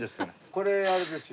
これあれですよ。